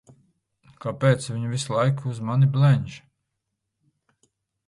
Kāpēc viņa visu laiku uz mani blenž?